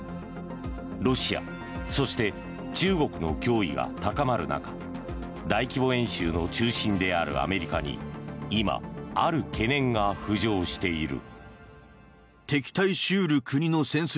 ロシア、そして中国の脅威が高まる中大規模演習の中心であるアメリカに今、ある懸念が浮上している。